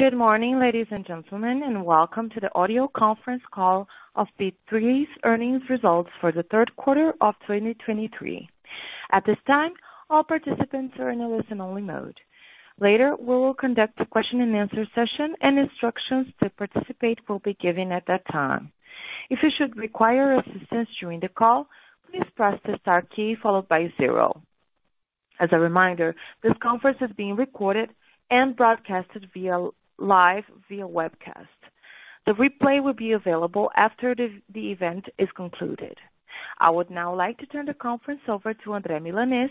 Good morning, ladies and gentlemen, and welcome to the audio conference call of the B3's earnings results for the third quarter of 2023. At this time, all participants are in a listen-only mode. Later, we will conduct a question and answer session, and instructions to participate will be given at that time. If you should require assistance during the call, please press the star key followed by zero. As a reminder, this conference is being recorded and broadcasted live via webcast. The replay will be available after the event is concluded. I would now like to turn the conference over to André Milanez,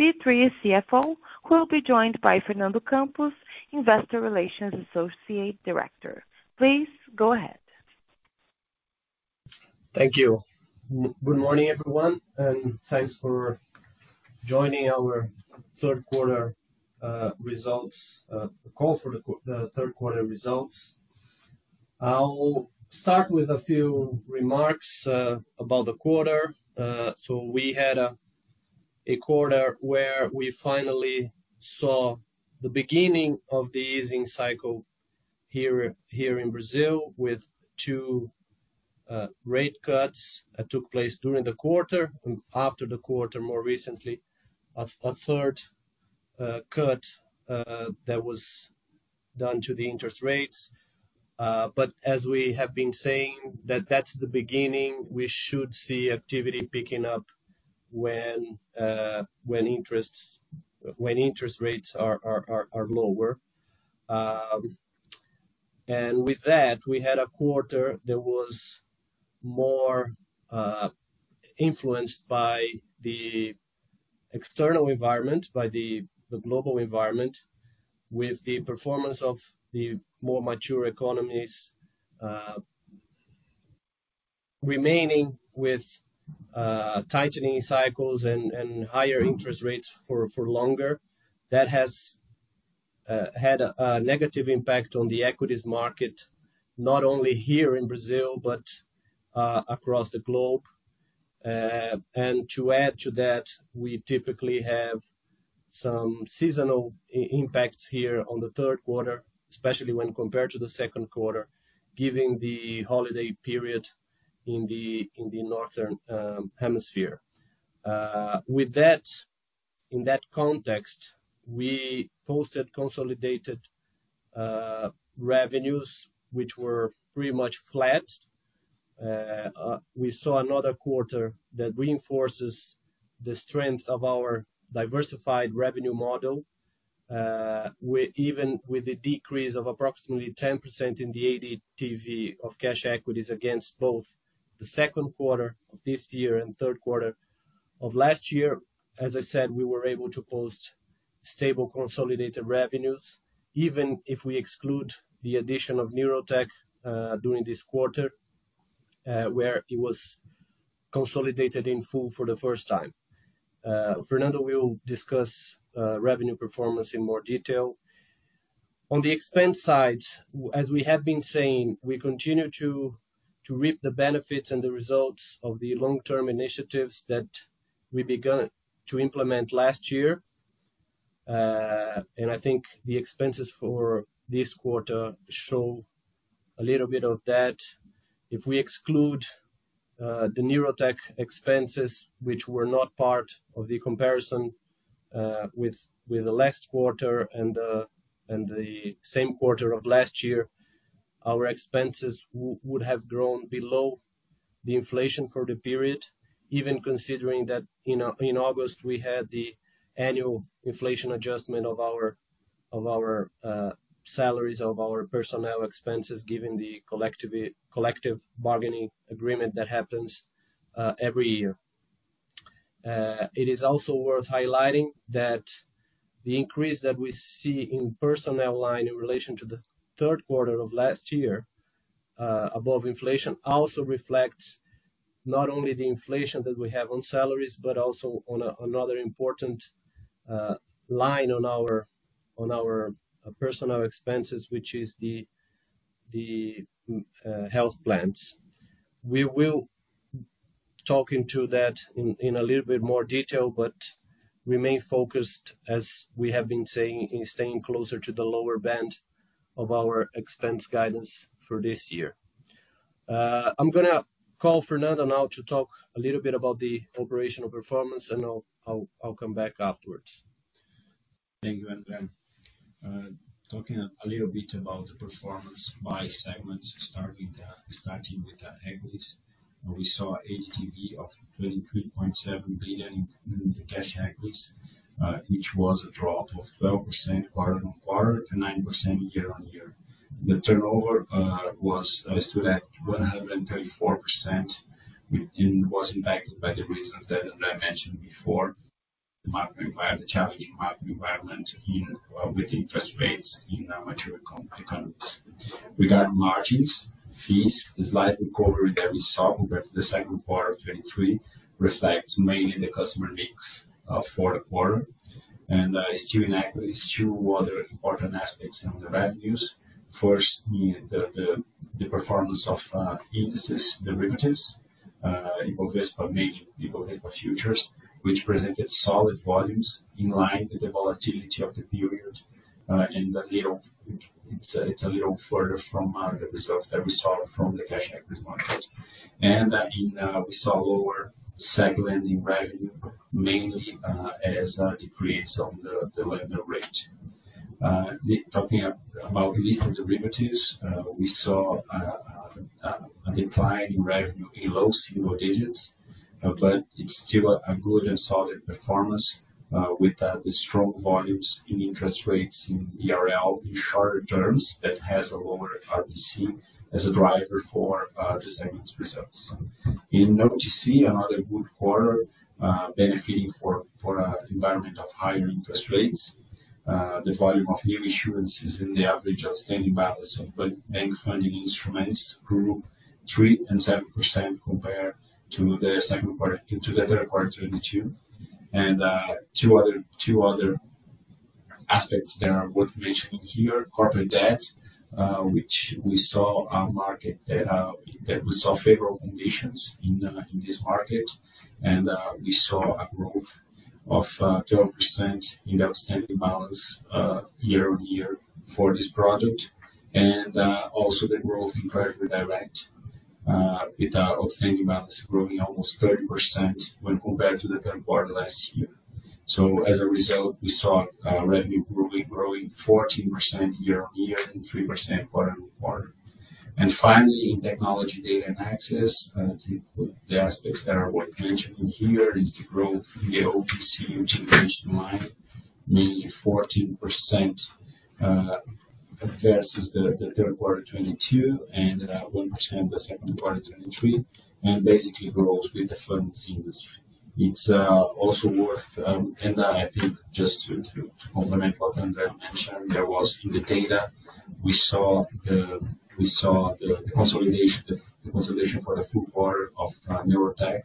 B3's CFO, who will be joined by Fernando Campos, Investor Relations Associate Director. Please go ahead. Thank you. Good morning, everyone, and thanks for joining our third quarter results call for the third quarter results. I'll start with a few remarks about the quarter. So we had a quarter where we finally saw the beginning of the easing cycle here in Brazil, with two rate cuts that took place during the quarter, and after the quarter, more recently, a third cut that was done to the interest rates. But as we have been saying, that's the beginning, we should see activity picking up when interest rates are lower. And with that, we had a quarter that was more influenced by the external environment, by the global environment, with the performance of the more mature economies remaining with tightening cycles and higher interest rates for longer. That has had a negative impact on the equities market, not only here in Brazil, but across the globe. And to add to that, we typically have some seasonal impacts here on the third quarter, especially when compared to the second quarter, given the holiday period in the Northern Hemisphere. With that, in that context, we posted consolidated revenues, which were pretty much flat. We saw another quarter that reinforces the strength of our diversified revenue model, even with the decrease of approximately 10% in the ADTV of cash equities against both the second quarter of this year and third quarter of last year. As I said, we were able to post stable consolidated revenues, even if we exclude the addition of Neurotech during this quarter, where it was consolidated in full for the first time. Fernando will discuss revenue performance in more detail. On the expense side, as we have been saying, we continue to reap the benefits and the results of the long-term initiatives that we begun to implement last year. I think the expenses for this quarter show a little bit of that. If we exclude the Neurotech expenses, which were not part of the comparison with the last quarter and the same quarter of last year, our expenses would have grown below the inflation for the period, even considering that in August, we had the annual inflation adjustment of our salaries of our personnel expenses, given the collective bargaining agreement that happens every year. It is also worth highlighting that the increase that we see in personnel line in relation to the third quarter of last year above inflation also reflects not only the inflation that we have on salaries, but also on another important line on our personnel expenses, which is the health plans. We will talk into that in a little bit more detail, but remain focused, as we have been saying, in staying closer to the lower band of our expense guidance for this year. I'm gonna call Fernando now to talk a little bit about the operational performance, and I'll come back afterwards. Thank you, André. Talking a little bit about the performance by segments, starting with the equities. We saw ADTV of 23.7 billion in the cash equities, which was a drop of 12% quarter-on-quarter to 9% year-on-year. The turnover was stood at 134%, and was impacted by the reasons that André mentioned before, the market environment, the challenging market environment in with interest rates in the mature economies. Regarding margins, fees, the slight recovery that we saw compared to the second quarter of 2023, reflects mainly the customer mix for the quarter. And still in equities, two other important aspects on the revenues.... First, in the performance of index derivatives in both Ibovespa Mini, in both Ibovespa Futures, which presented solid volumes in line with the volatility of the period, and it's a little further from the results that we saw from the cash equities. And in we saw lower securities lending revenue, mainly as a decrease in the lending rate. Talking about listed derivatives, we saw a decline in revenue in low single digits, but it's still a good and solid performance, with the strong volumes in interest rates in BRL in shorter terms, that has a lower RPC as a driver for the segment's results. In OTC, another good quarter, benefiting from an environment of higher interest rates. The volume of new issuances in the average outstanding balance of bank funding instruments grew 3% and 7% compared to the second quarter to the third quarter in 2022. Two other aspects that are worth mentioning here, corporate debt, which we saw a market that we saw favorable conditions in, in this market, and we saw a growth of 12% in the outstanding balance year-on-year for this project, and also the growth in Treasury Direct, with our outstanding balance growing almost 30% when compared to the third quarter last year. So as a result, we saw revenue growing 14% year-on-year and 3% quarter-on-quarter. And finally, in technology data and access, the aspects that are worth mentioning here is the growth in the AuC, which increased in line, mainly 14% versus the third quarter 2022, and 1% the second quarter 2023, and basically grows with the funds industry. It's also worth... And I think just to complement what André mentioned, there was in the data, we saw the consolidation for the full quarter of Neurotech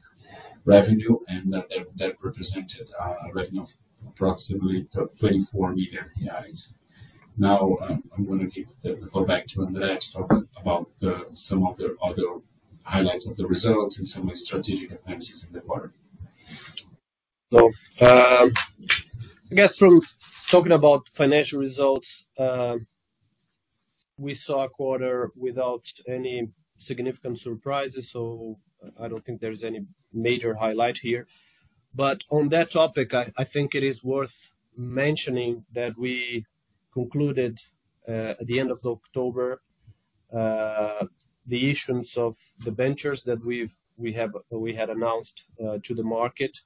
revenue, and that represented a revenue of approximately 24 million reais. Now, I'm gonna give the call back to André to talk about some of the other highlights of the results and some of the strategic advances in the quarter. So, I guess from talking about financial results, we saw a quarter without any significant surprises, so I don't think there's any major highlight here. But on that topic, I think it is worth mentioning that we concluded, at the end of October, the issuance of the debentures that we had announced to the market.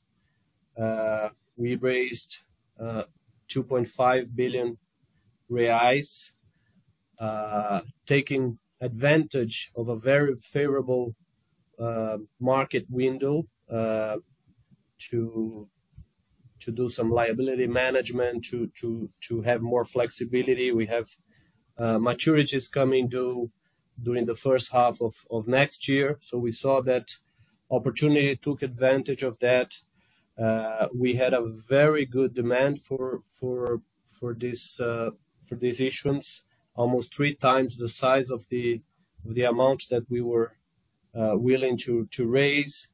We raised 2.5 billion reais, taking advantage of a very favorable market window, to do some liability management, to have more flexibility. We have maturities coming due during the first half of next year, so we saw that opportunity, took advantage of that. We had a very good demand for these issuance, almost three times the size of the amount that we were willing to raise.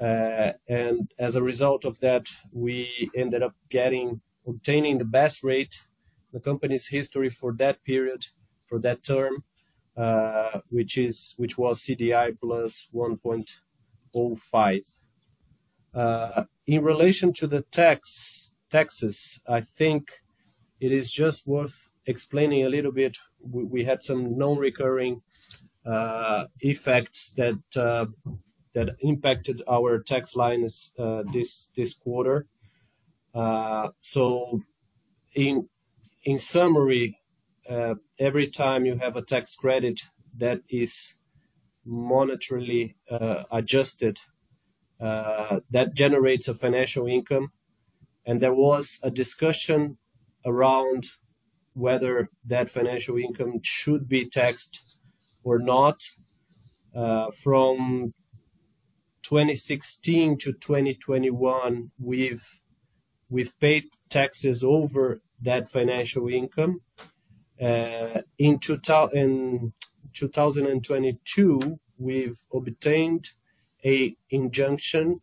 And as a result of that, we ended up obtaining the best rate, the company's history for that period, for that term, which was CDI + 1.05%. In relation to the taxes, I think it is just worth explaining a little bit. We had some non-recurring effects that impacted our tax lines this quarter. So in summary, every time you have a tax credit that is monetarily adjusted, that generates a financial income, and there was a discussion around whether that financial income should be taxed or not. From 2016 to 2021, we've, we've paid taxes over that financial income. In 2022, we've obtained an injunction,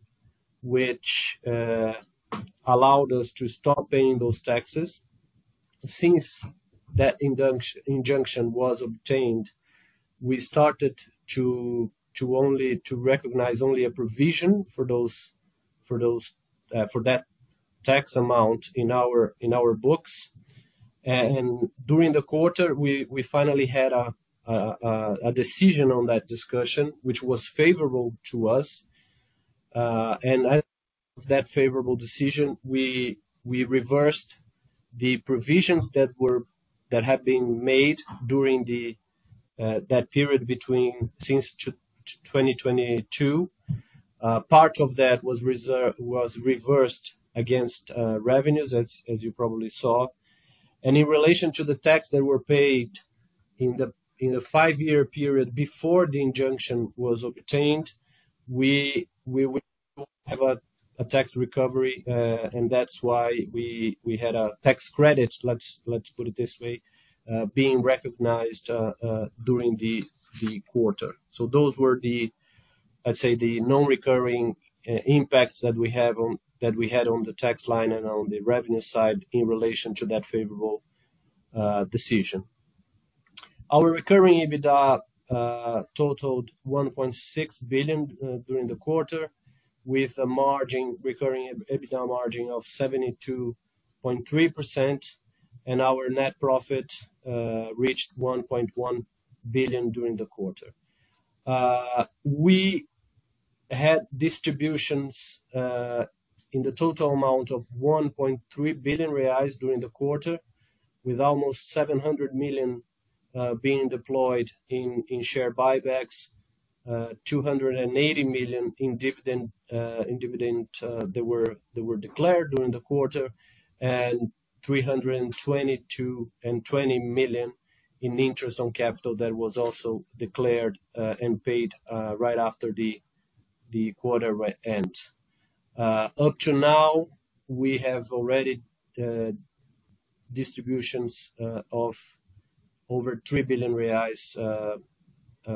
which allowed us to stop paying those taxes. Since that injunction was obtained, we started to recognize only a provision for that tax amount in our books. And during the quarter, we finally had a decision on that discussion, which was favorable to us. And as of that favorable decision, we reversed the provisions that had been made during that period since 2022. Part of that was reversed against revenues, as you probably saw. In relation to the tax that were paid in the five-year period before the injunction was obtained, we have a tax recovery, and that's why we had a tax credit, let's put it this way, being recognized during the quarter. So those were the non-recurring impacts that we had on the tax line and on the revenue side in relation to that favorable decision. Our recurring EBITDA totaled 1.6 billion during the quarter, with a recurring EBITDA margin of 72.3%, and our net profit reached 1.1 billion during the quarter. We had distributions in the total amount of 1.3 billion reais during the quarter, with almost 700 million being deployed in share buybacks, 280 million in dividends that were declared during the quarter, and 322 million and 20 million in interest on capital that was also declared and paid right after the quarter end. Up to now, we have already distributions of over 3 billion reais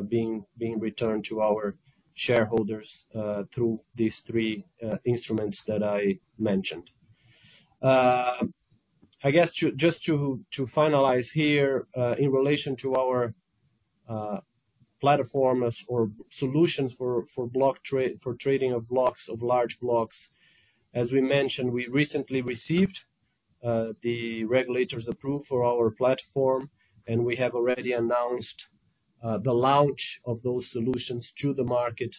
being returned to our shareholders through these three instruments that I mentioned. I guess just to finalize here, in relation to our platforms or solutions for block trading of blocks of large blocks. As we mentioned, we recently received regulatory approval for our platform, and we have already announced the launch of those solutions to the market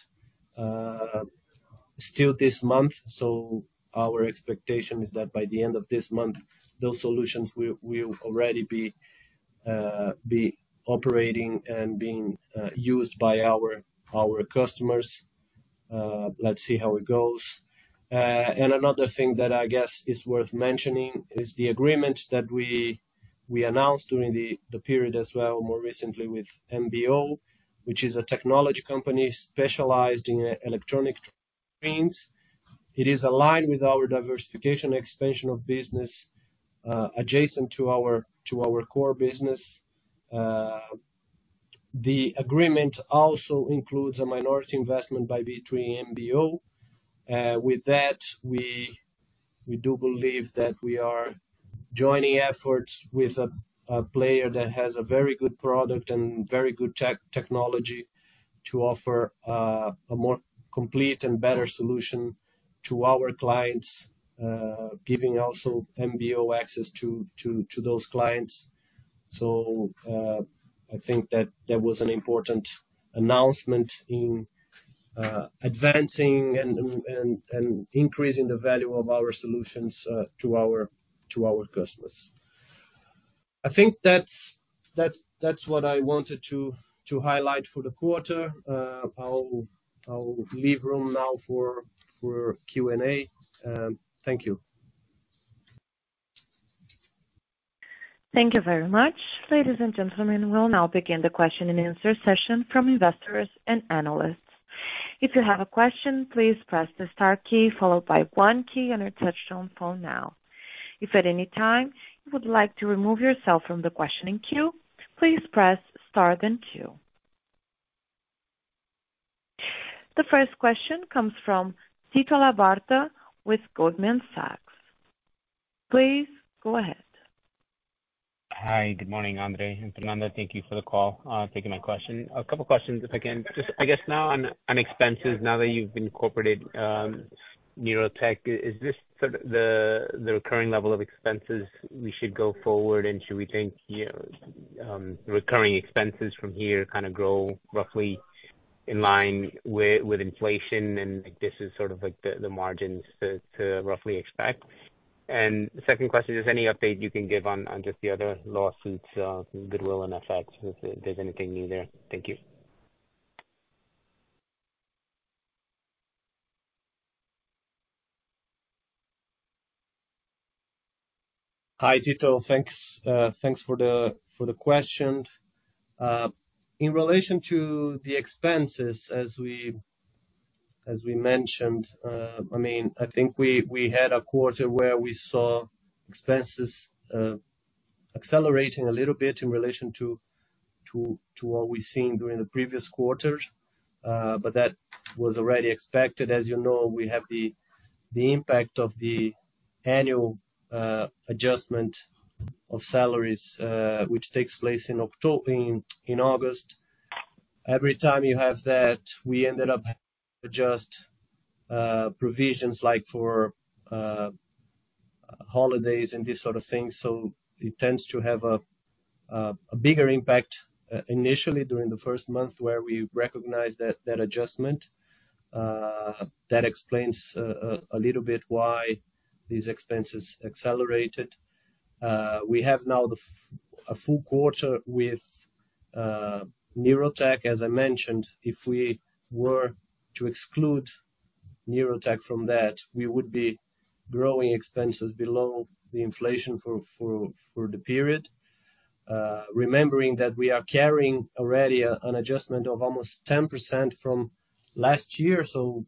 still this month. So our expectation is that by the end of this month, those solutions will already be operating and being used by our customers. Let's see how it goes. And another thing that I guess is worth mentioning is the agreement that we announced during the period as well, more recently with MBO, which is a technology company specialized in electronic trading. It is aligned with our diversification and expansion of business adjacent to our core business. The agreement also includes a minority investment by between MBO. With that, we do believe that we are joining efforts with a player that has a very good product and very good technology to offer a more complete and better solution to our clients, giving also MBO access to those clients. So, I think that that was an important announcement in advancing and increasing the value of our solutions to our customers. I think that's what I wanted to highlight for the quarter. I'll leave room now for Q&A. Thank you. Thank you very much. Ladies and gentlemen, we'll now begin the question and answer session from investors and analysts. If you have a question, please press the star key followed by one key on your touchtone phone now. If at any time you would like to remove yourself from the questioning queue, please press star then two. The first question comes from Tito Labarta with Goldman Sachs. Please go ahead. Hi, good morning, André and Fernando. Thank you for the call, taking my question. A couple questions, if I can. Just I guess now on, on expenses, now that you've incorporated, Neurotech, is this sort of the, the recurring level of expenses we should go forward? And should we think, you know, recurring expenses from here kinda grow roughly in line with, with inflation, and this is sort of like the, the margins to, to roughly expect? And second question is, any update you can give on, on just the other lawsuits, goodwill and FX, if there's anything new there? Thank you. Hi, Tito. Thanks, thanks for the question. In relation to the expenses, as we mentioned, I mean, I think we had a quarter where we saw expenses accelerating a little bit in relation to what we've seen during the previous quarters. But that was already expected. As you know, we have the impact of the annual adjustment of salaries, which takes place in October, in August. Every time you have that, we ended up adjust provisions, like for holidays and this sort of thing. So it tends to have a bigger impact initially during the first month, where we recognize that adjustment. That explains a little bit why these expenses accelerated. We have now a full quarter with Neurotech. As I mentioned, if we were to exclude Neurotech from that, we would be growing expenses below the inflation for the period. Remembering that we are carrying already an adjustment of almost 10% from last year. So,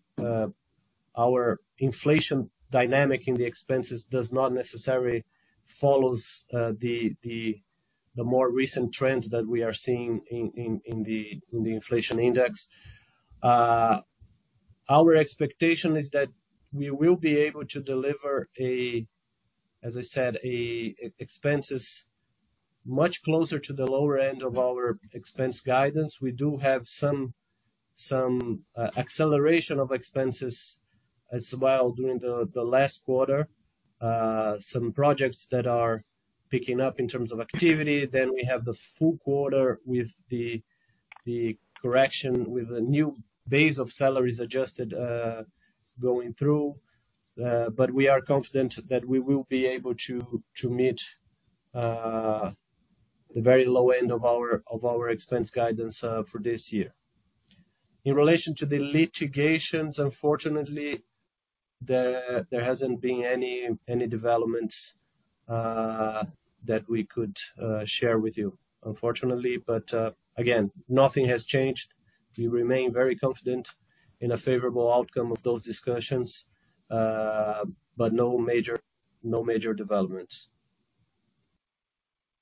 our inflation dynamic in the expenses does not necessarily follows the more recent trends that we are seeing in the inflation index. Our expectation is that we will be able to deliver, as I said, expenses much closer to the lower end of our expense guidance. We do have some acceleration of expenses as well during the last quarter. Some projects that are picking up in terms of activity. Then we have the full quarter with the correction, with the new base of salaries adjusted, going through. But we are confident that we will be able to meet the very low end of our expense guidance for this year. In relation to the litigations, unfortunately, there hasn't been any developments that we could share with you, unfortunately. But, again, nothing has changed. We remain very confident in a favorable outcome of those discussions, but no major developments.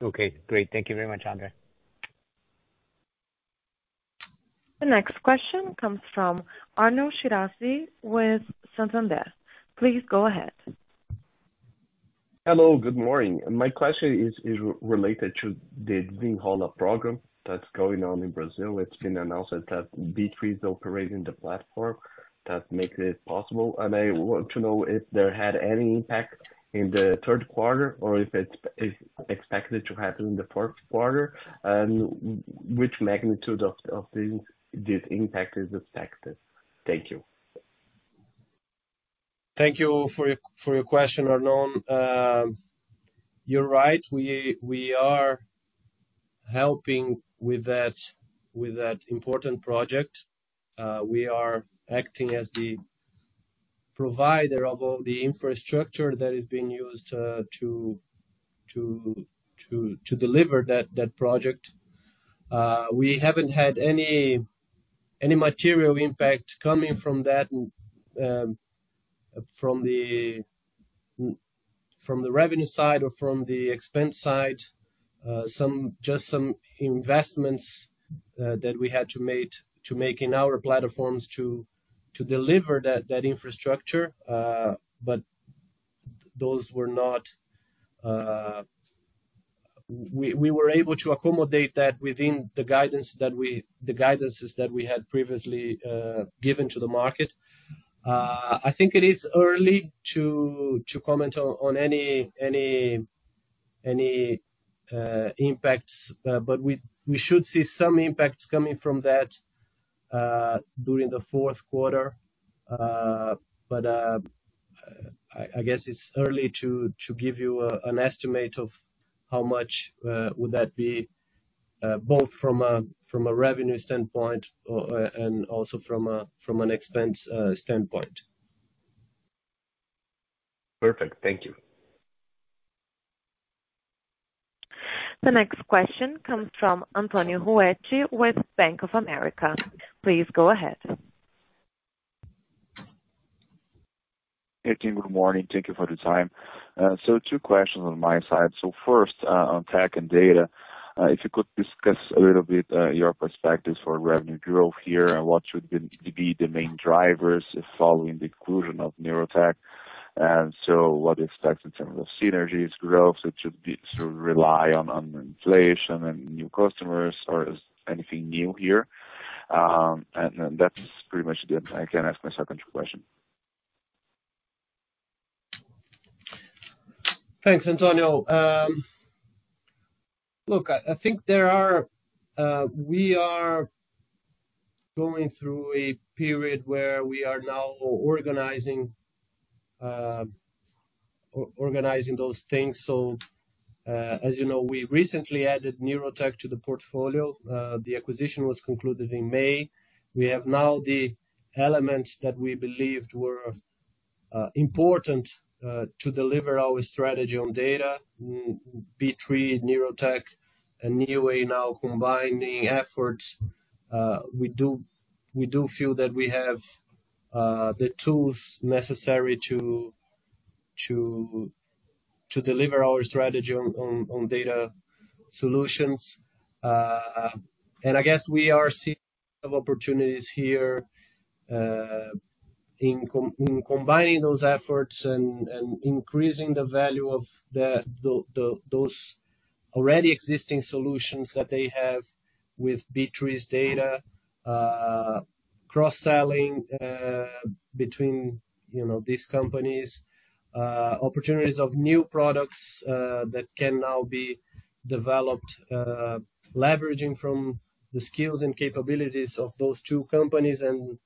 Okay, great. Thank you very much, André. The next question comes from Arnon Shirazi with Santander. Please go ahead. Hello, good morning. My question is related to the Desenrola program that's going on in Brazil. It's been announced that B3 is operating the platform that makes it possible, and I want to know if there had any impact in the third quarter or if it's expected to happen in the fourth quarter, and which magnitude of this impact is expected? Thank you. Thank you for your question, Arnon. You're right, we are helping with that important project. We are acting as the provider of all the infrastructure that is being used to deliver that project. We haven't had any material impact coming from that, from the revenue side or from the expense side. Just some investments that we had to make in our platforms to deliver that infrastructure. But those were not. We were able to accommodate that within the guidances that we had previously given to the market. I think it is early to comment on any impacts, but we should see some impacts coming from that during the fourth quarter. But I guess it's early to give you an estimate of how much would that be, both from a revenue standpoint or and also from an expense standpoint. Perfect. Thank you. The next question comes from Antonio Ruette with Bank of America. Please go ahead. Hey, team. Good morning. Thank you for the time. So two questions on my side. So first, on tech and data, if you could discuss a little bit, your perspectives for revenue growth here and what should be the main drivers following the inclusion of Neurotech? And so what do you expect in terms of synergies growth? So it should be, sort of rely on inflation and new customers, or is anything new here? And then that's pretty much it. I can ask my second question. Thanks, Antonio. Look, I think there are... We are going through a period where we are now organizing those things. So, as you know, we recently added Neurotech to the portfolio. The acquisition was concluded in May. We have now the elements that we believed were important to deliver our strategy on data. B3, Neurotech, and Neoway now combining efforts. We do feel that we have the tools necessary to deliver our strategy on data solutions. And I guess we are seeing opportunities here in combining those efforts and increasing the value of those already existing solutions that they have with B3's data, cross-selling between, you know, these companies. Opportunities of new products that can now be developed leveraging from the skills and capabilities of those two companies and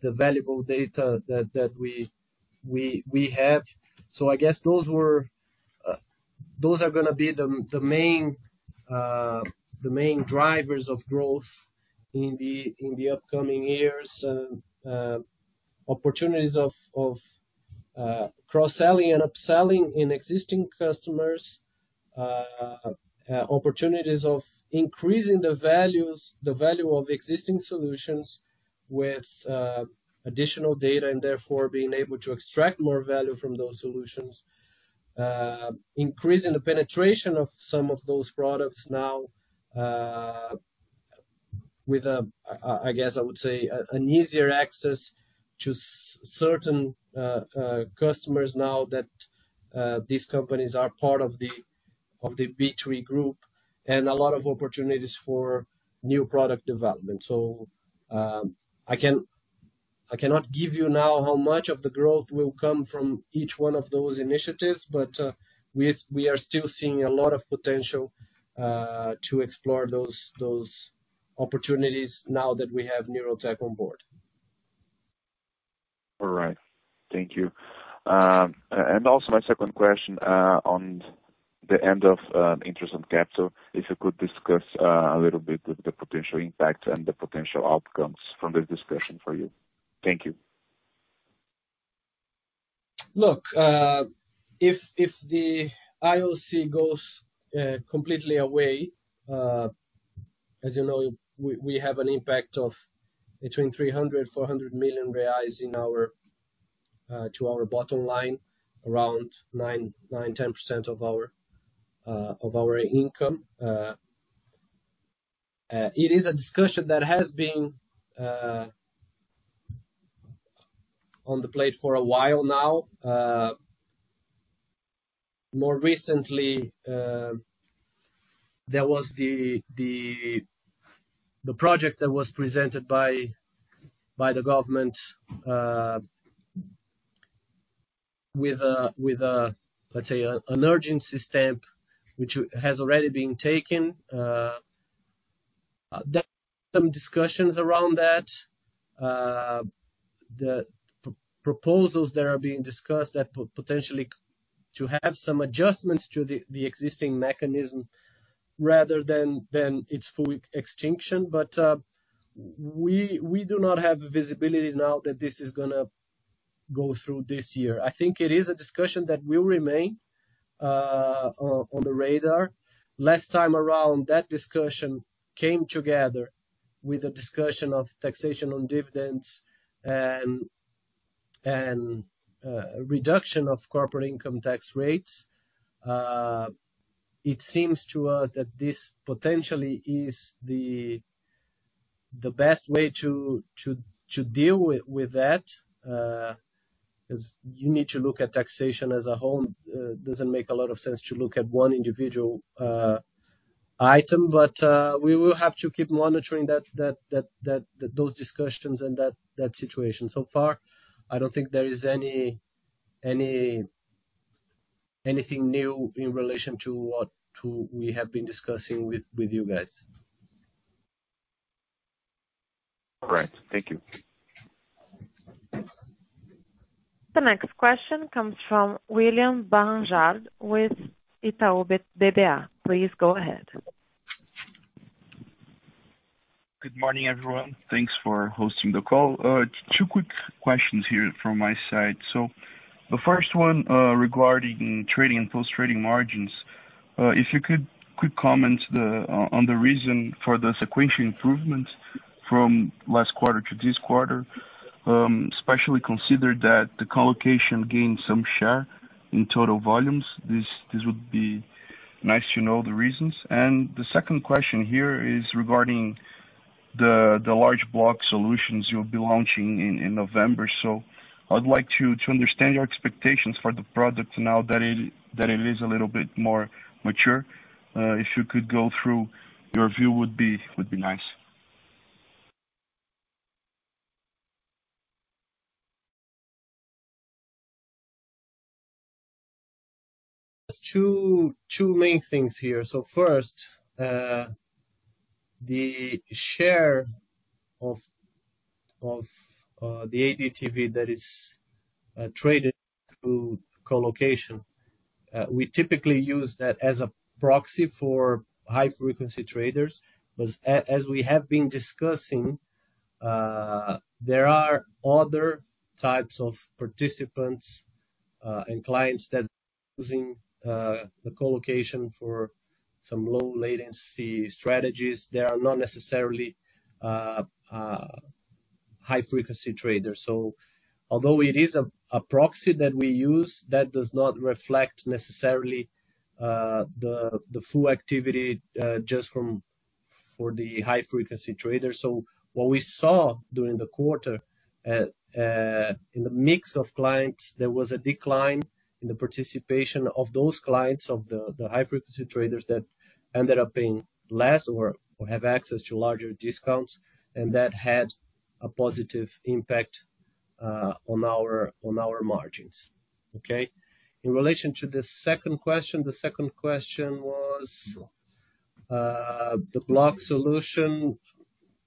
the valuable data that we have. So I guess those are gonna be the main drivers of growth in the upcoming years. And opportunities of cross-selling and upselling in existing customers, opportunities of increasing the value of existing solutions with additional data, and therefore being able to extract more value from those solutions. Increasing the penetration of some of those products now with, I guess I would say, an easier access to certain customers now that these companies are part of the B3 Group, and a lot of opportunities for new product development. I cannot give you now how much of the growth will come from each one of those initiatives, but we are still seeing a lot of potential to explore those opportunities now that we have Neurotech on board. All right. Thank you. And also my second question, on the end of interest on capital, if you could discuss a little bit the potential impact and the potential outcomes from this discussion for you. Thank you. Look, if the IOC goes completely away, as you know, we have an impact of between 300 million-400 million reais to our bottom line, around 9%-10% of our income. It is a discussion that has been on the plate for a while now. More recently, there was the project that was presented by the government with a, let's say, an urgency stamp, which has already been taken. There are some discussions around that. The proposals that are being discussed potentially to have some adjustments to the existing mechanism, rather than its full extinction. But we do not have visibility now that this is gonna go through this year. I think it is a discussion that will remain on the radar. Last time around, that discussion came together with a discussion of taxation on dividends and reduction of corporate income tax rates. It seems to us that this potentially is the best way to deal with that, 'cause you need to look at taxation as a whole. Doesn't make a lot of sense to look at one individual item, but we will have to keep monitoring those discussions and that situation. So far, I don't think there is anything new in relation to what we have been discussing with you guys. All right. Thank you. The next question comes from William Barranjard with Itaú BBA. Please go ahead. Good morning, everyone. Thanks for hosting the call. Two quick questions here from my side. So the first one, regarding trading and post-trading margins. If you could quick comment on the reason for the sequential improvements from last quarter to this quarter, especially consider that the colocation gained some share in total volumes. This would be nice to know the reasons. And the second question here is regarding the large block solutions you'll be launching in November. So I'd like to understand your expectations for the product now that it is a little bit more mature. If you could go through your view, would be nice. There are two main things here. So first, the share of the ADTV that is traded through colocation. We typically use that as a proxy for high-frequency traders, but as we have been discussing, there are other types of participants and clients that are using the colocation for some low latency strategies. They are not necessarily high-frequency traders. So although it is a proxy that we use, that does not reflect necessarily the full activity just from the high-frequency traders. So what we saw during the quarter, in the mix of clients, there was a decline in the participation of those clients, the high-frequency traders, that ended up paying less or have access to larger discounts, and that had a positive impact on our margins. Okay? In relation to the second question, the second question was, the block solution.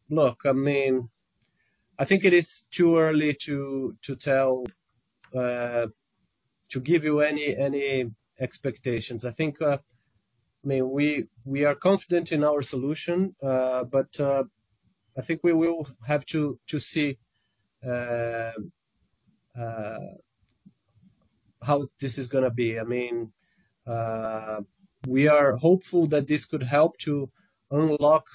Look, I mean, I think it is too early to tell to give you any expectations. I think I mean, we are confident in our solution, but I think we will have to see how this is going to be. I mean, we are hopeful that this could help to unlock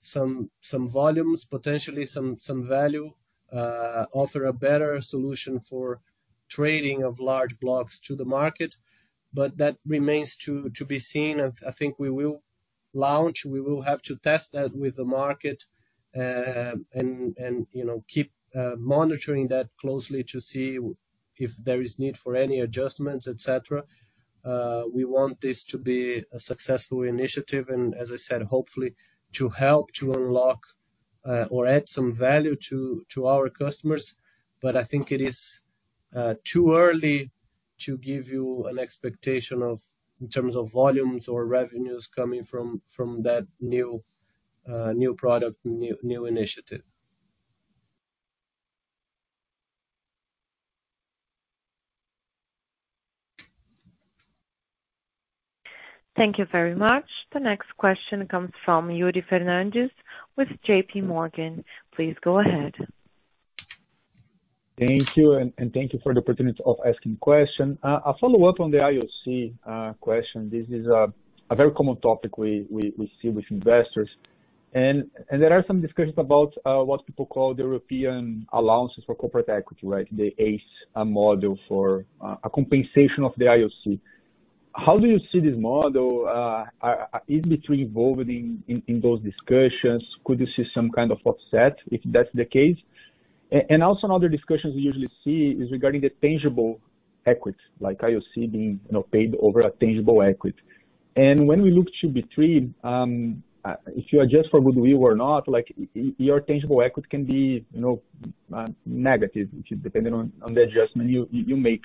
some volumes, potentially some value, offer a better solution for trading of large blocks to the market. But that remains to be seen. I think we will launch. We will have to test that with the market, and you know, keep monitoring that closely to see if there is need for any adjustments, et cetera. We want this to be a successful initiative and as I said, hopefully to help to unlock, or add some value to our customers. But I think it is too early to give you an expectation of, in terms of volumes or revenues coming from that new product, new initiative. Thank you very much. The next question comes from Yuri Fernandes with JPMorgan. Please go ahead. Thank you, and thank you for the opportunity of asking the question. A follow-up on the IOC question. This is a very common topic we see with investors. And there are some discussions about what people call the European allowances for corporate equity, right? The ACE, a model for a compensation of the IOC. How do you see this model? Is B3 involved in those discussions? Could you see some kind of offset if that's the case? And also another discussions we usually see is regarding the tangible equity, like IOC being, you know, paid over a tangible equity. And when we look to B3, if you adjust for goodwill or not, like, your tangible equity can be, you know, negative, which is dependent on the adjustment you make.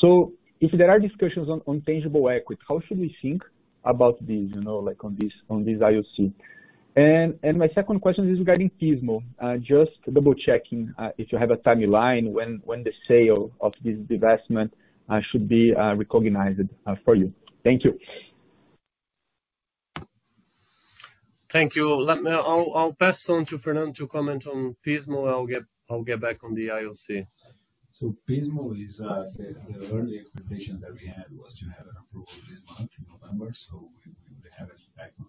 So if there are discussions on tangible equity, how should we think about this, you know, like on this IOC? And my second question is regarding Pismo. Just double checking, if you have a timeline, when the sale of this divestment should be recognized, for you. Thank you. Thank you. Let me... I'll pass on to Fernando to comment on Pismo. I'll get back on the IOC. So Pismo is the early expectations that we had was to have an approval this month in November, so we have it back on the fourth quarter. But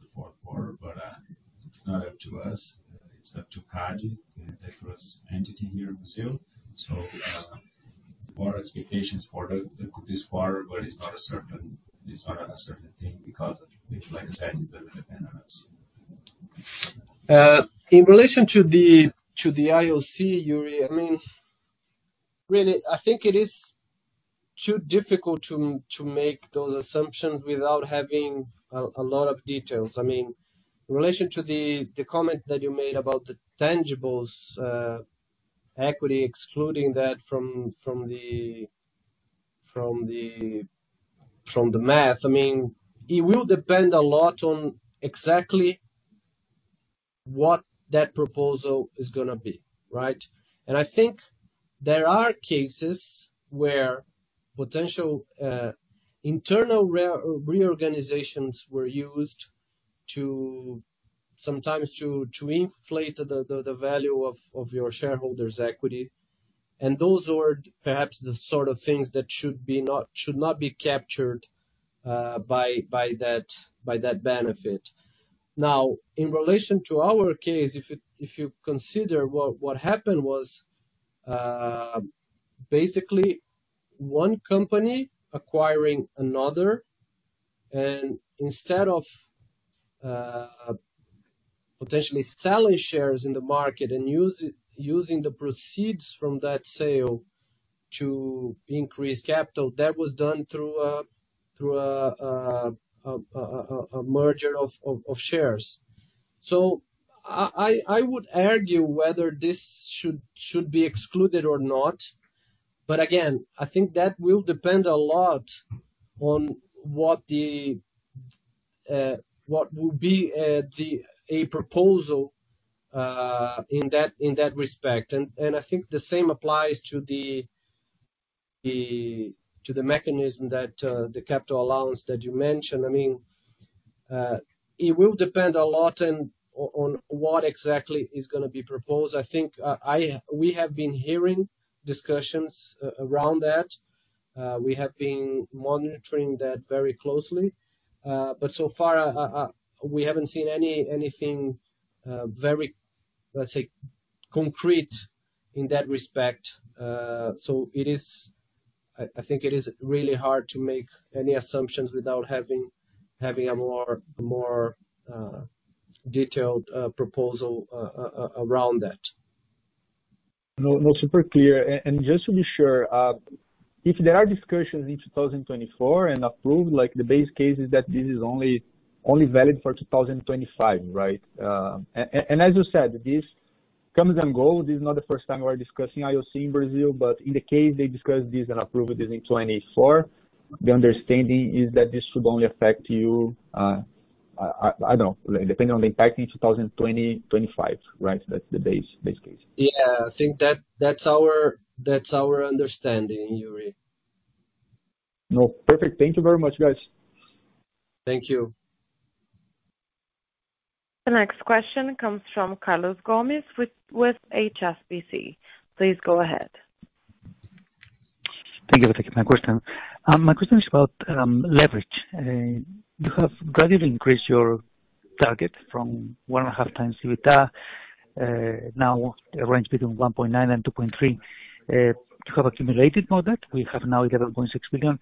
it's not up to us, it's up to CADE, the first entity here in Brazil. So more expectations for this far, but it's not a certain thing because like I said, it doesn't depend on us. In relation to the IOC, Yuri, I mean, really, I think it is too difficult to make those assumptions without having a lot of details. I mean, in relation to the comment that you made about the tangibles equity, excluding that from the math, I mean, it will depend a lot on exactly what that proposal is gonna be, right? And I think there are cases where potential internal reorganizations were used to sometimes inflate the value of your shareholders' equity. And those were perhaps the sort of things that should not be captured by that benefit. Now, in relation to our case, if you consider what happened was basically one company acquiring another, and instead of potentially selling shares in the market and using the proceeds from that sale to increase capital, that was done through a merger of shares. So I would argue whether this should be excluded or not. But again, I think that will depend a lot on what will be the proposal in that respect. And I think the same applies to the mechanism that the capital allowance that you mentioned. I mean, it will depend a lot on what exactly is gonna be proposed. I think we have been hearing discussions around that. We have been monitoring that very closely. But so far, we haven't seen anything very, let's say, concrete in that respect. So it is... I think it is really hard to make any assumptions without having a more detailed proposal around that. No, no, super clear. And just to be sure, if there are discussions in 2024 and approved, like the base case, is that this is only, only valid for 2025, right? And as you said, this comes and goes. This is not the first time we're discussing IOC in Brazil, but in the case they discuss this and approve this in 2024, the understanding is that this should only affect you... I, I, I don't know, depending on the impact in 2020, 2025, right? That's the base, base case. Yeah, I think that, that's our, that's our understanding, Yuri. No, perfect. Thank you very much, guys. Thank you. The next question comes from Carlos Gomez with HSBC. Please go ahead. Thank you for taking my question. My question is about leverage. You have gradually increased your target from 1.5x EBITDA, now a range between 1.9x and 2.3x. You have accumulated more debt. We have now 11.6 billion.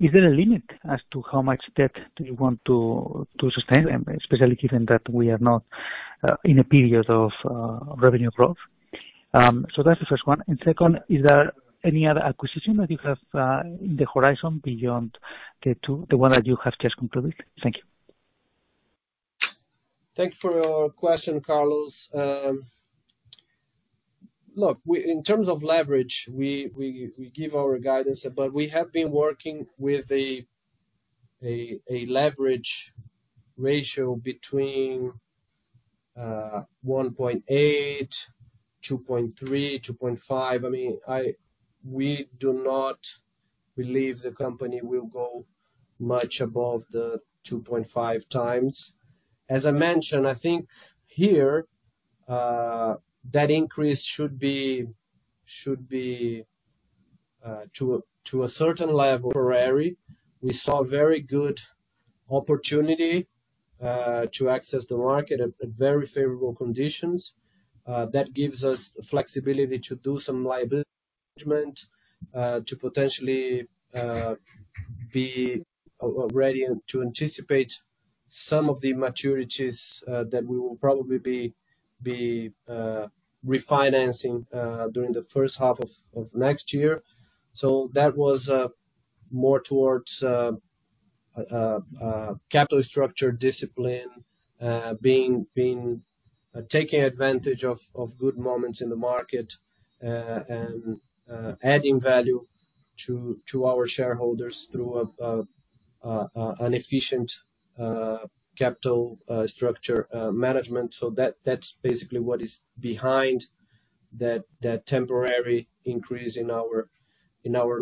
Is there a limit as to how much debt do you want to sustain, and especially given that we are not in a period of revenue growth? So that's the first one. Second, is there any other acquisition that you have in the horizon beyond the one that you have just concluded? Thank you. Thanks for your question, Carlos. Look, in terms of leverage, we give our guidance, but we have been working with a leverage ratio between 1.8x, 2.3x, 2.5x. I mean, we do not believe the company will go much above the 2.5x. As I mentioned, I think here that increase should be to a certain level, temporary. We saw very good opportunity to access the market at very favorable conditions. That gives us the flexibility to do some liability management to potentially be ready to anticipate some of the maturities that we will probably be refinancing during the first half of next year. So that was more towards capital structure discipline, being taking advantage of good moments in the market, and adding value to our shareholders through an efficient capital structure management. So that's basically what is behind that temporary increase in our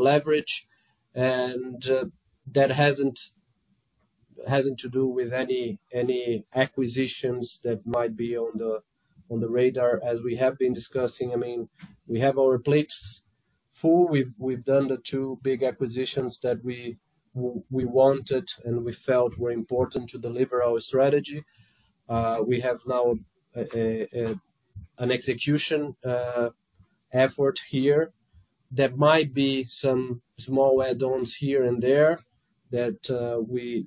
leverage. And that hasn't to do with any acquisitions that might be on the radar, as we have been discussing. I mean, we have our plates full. We've done the two big acquisitions that we wanted, and we felt were important to deliver our strategy. We have now an execution effort here that might be some small add-ons here and there, that we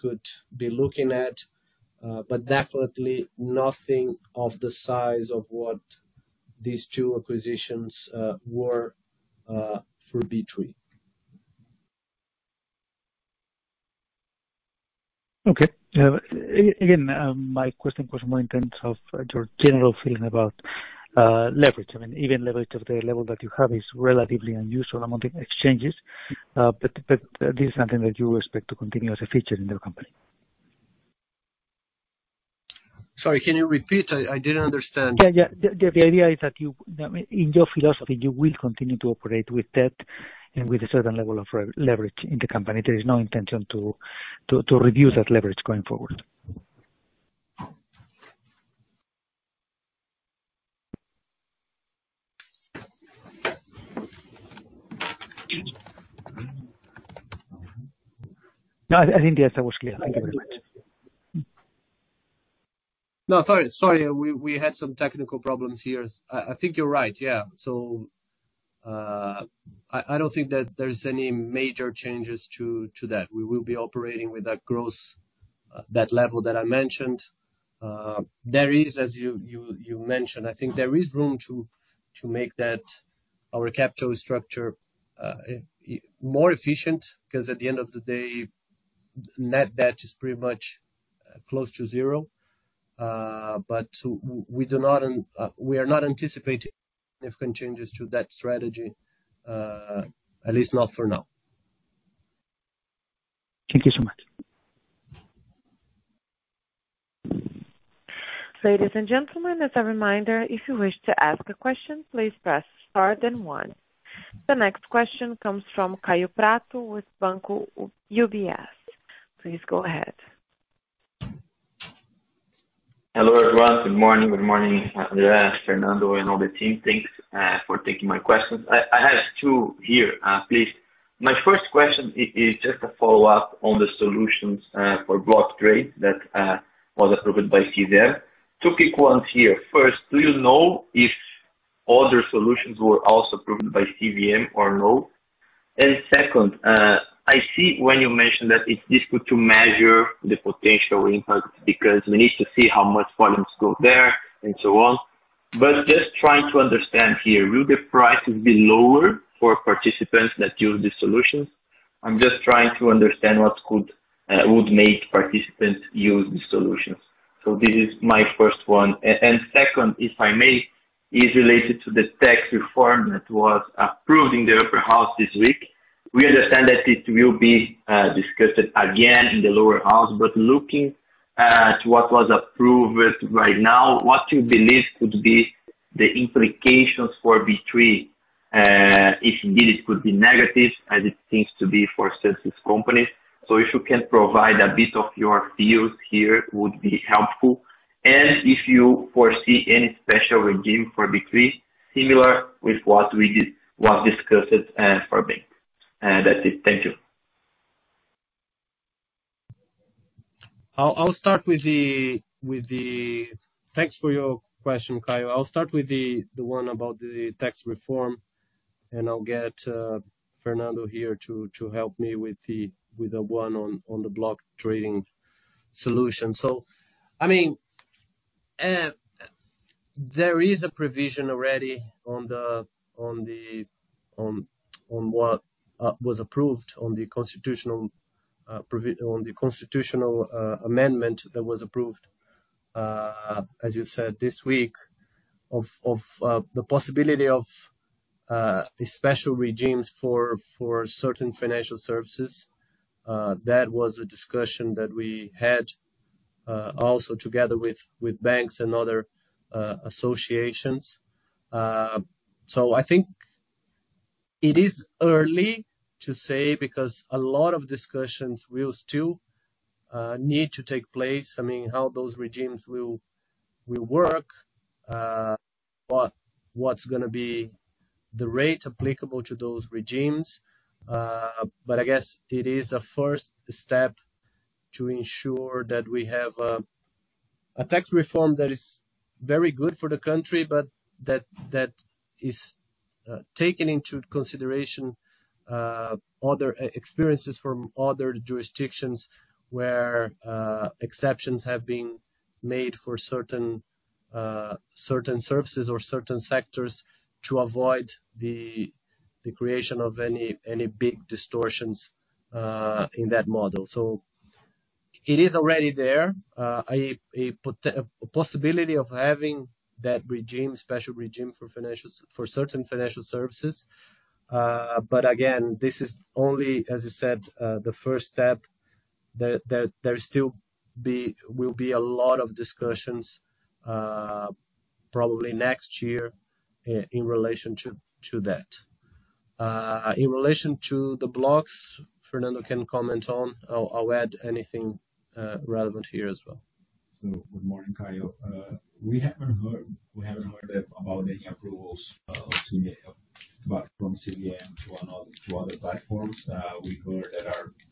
could be looking at, but definitely nothing of the size of what these two acquisitions were for B3. Okay. Again, my question was more in terms of your general feeling about leverage. I mean, even leverage of the level that you have is relatively unusual among the exchanges, but this is something that you expect to continue as a feature in the company? Sorry, can you repeat? I didn't understand. Yeah, yeah. The idea is that, in your philosophy, you will continue to operate with debt and with a certain level of re-leverage in the company. There is no intention to review that leverage going forward. No, I think, yes, that was clear. Thank you very much. No, sorry, sorry, we had some technical problems here. I think you're right, yeah. So, I don't think that there's any major changes to that. We will be operating with that growth, that level that I mentioned. There is, as you mentioned, I think there is room to make that, our capital structure, more efficient, because at the end of the day, net debt is pretty much close to zero. But we are not anticipating significant changes to that strategy, at least not for now. Thank you so much. Ladies and gentlemen, as a reminder, if you wish to ask a question, please press star then one. The next question comes from Kaio Prato with Banco UBS. Please go ahead. Hello, everyone. Good morning, good morning, André, Fernando, and all the team. Thanks for taking my questions. I have two here, please. My first question is just a follow-up on the solutions for block trade that was approved by CVM. Two quick ones here. First, do you know if other solutions were also approved by CVM or no? And second, I see when you mentioned that it's difficult to measure the potential impact, because we need to see how much volumes go there, and so on. But just trying to understand here, will the prices be lower for participants that use these solutions? I'm just trying to understand what would make participants use these solutions. So this is my first one. Second, if I may, is related to the tax reform that was approved in the upper house this week... We understand that it will be discussed again in the lower house, but looking at what was approved right now, what you believe could be the implications for B3, if indeed it could be negative, as it seems to be for census companies. So if you can provide a bit of your views here, would be helpful. And if you foresee any special regime for B3, similar with what we did, was discussed, for bank. And that's it. Thank you. I'll start with the—Thanks for your question, Kaio. I'll start with the one about the tax reform, and I'll get Fernando here to help me with the one on the block trading solution. So I mean, there is a provision already on what was approved on the constitutional amendment that was approved, as you said this week, of the possibility of special regimes for certain financial services. That was a discussion that we had also together with banks and other associations. So I think it is early to say, because a lot of discussions will still need to take place. I mean, how those regimes will work, what's gonna be the rate applicable to those regimes. But I guess it is a first step to ensure that we have a tax reform that is very good for the country, but that is taking into consideration other experiences from other jurisdictions where exceptions have been made for certain services or certain sectors to avoid the creation of any big distortions in that model. So it is already there, a possibility of having that regime, special regime, for certain financial services. But again, this is only, as I said, the first step, there will be a lot of discussions, probably next year in relation to that. In relation to the blocks, Fernando can comment on. I'll add anything relevant here as well. So good morning, Kaio. We haven't heard, we haven't heard that about any approvals from CVM, but from CVM to one or two other platforms. We've heard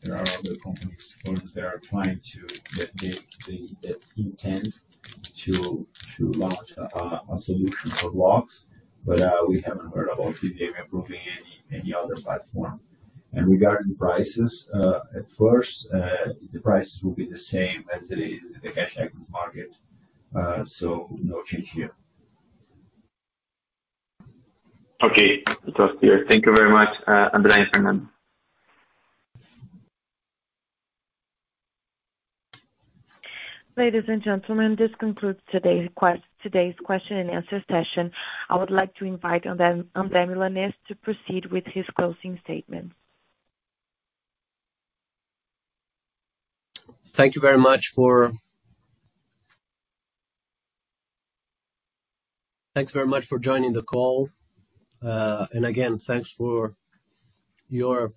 there are other companies, firms that are trying to get the intent to launch a solution for blocks, but we haven't heard about CVM approving any other platform. Regarding prices, at first, the prices will be the same as it is in the cash market. So no change here. Okay, that's clear. Thank you very much, André and Fernando. Ladies and gentlemen, this concludes today's question and answer session. I would like to invite André Milanez to proceed with his closing statement. Thank you very much for... Thanks very much for joining the call. And again, thanks for your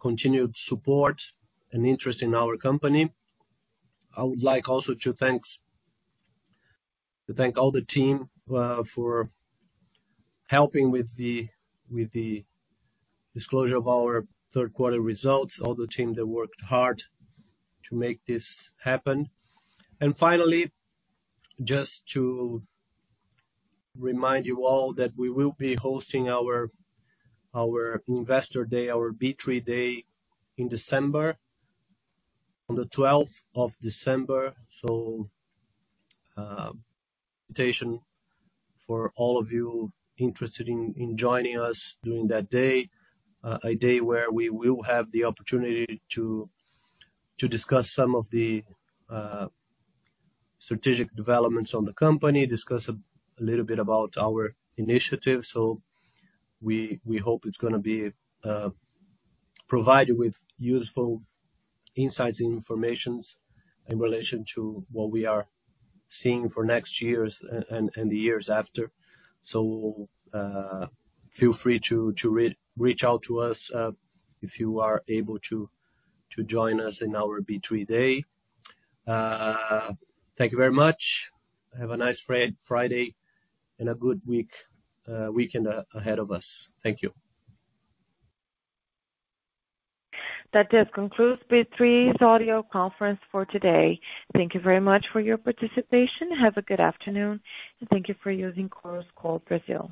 continued support and interest in our company. I would like also to thank all the team for helping with the disclosure of our third quarter results, all the team that worked hard to make this happen. And finally, just to remind you all that we will be hosting our Investor D ay, our B3 day, in December, on the 12th of December. So, invitation for all of you interested in joining us during that day, a day where we will have the opportunity to discuss some of the strategic developments on the company, discuss a little bit about our initiatives. So we hope it's gonna be provided with useful insights and information in relation to what we are seeing for next years and the years after. So, feel free to reach out to us if you are able to join us in our B3 Day. Thank you very much. Have a nice Friday, and a good weekend ahead of us. Thank you. That just concludes B3's audio conference for today. Thank you very much for your participation. Have a good afternoon, and thank you for using Chorus Call Brazil.